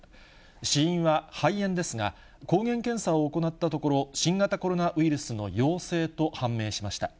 死因は肺炎ですが、抗原検査を行ったところ、新型コロナウイルスの陽性と判明しました。